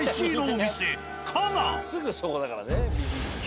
すぐそこだからね右。